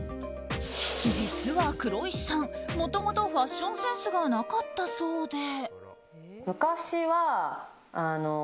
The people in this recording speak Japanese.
実は黒石さん、もともとファッションセンスがなかったそうで。